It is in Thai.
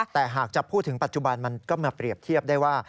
แต่หากจะพูดถึงปัจจุบันมันก็มาเปรียบเทียบได้ว่า